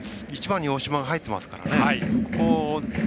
１番に大島入ってますからね。